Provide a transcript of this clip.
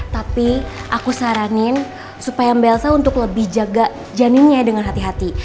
tapi aku saranin supaya mbak elsa untuk lebih jaga janinnya dengan hati hati